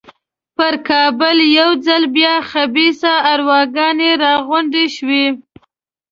پر کابل یو ځل بیا خبیثه ارواګانې را غونډې شوې.